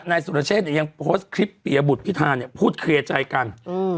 นายสุรเชษเนี่ยยังโพสต์คลิปปียบุตรพิธาเนี่ยพูดเคลียร์ใจกันอืม